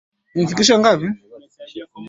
mauaji ya kimbari ni mauaji haramu